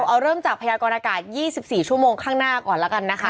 เอาเริ่มจากพยากรณากาศ๒๔ชั่วโมงข้างหน้าก่อนแล้วกันนะคะ